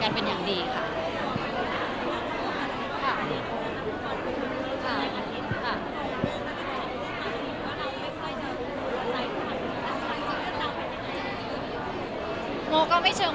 เกิดเห็นความโชคจะ